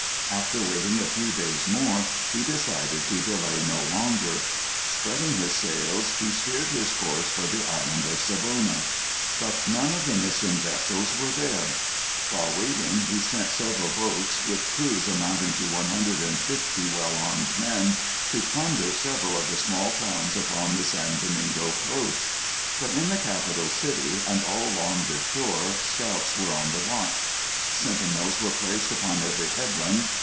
After waiting a few days more, he decided to delay no longer. Spreading his sails, he steered his course for the Island of Savona. But none of the missing vessels were there. While waiting, he sent several boats, with crews amounting to one hundred and fifty well armed men, to plunder several of the small towns upon the San Domingo coast. But in the capital city and all along the shore scouts were on the watch. Sentinels were placed upon every headland.